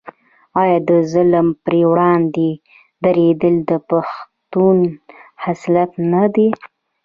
آیا د ظالم پر وړاندې دریدل د پښتون خصلت نه دی؟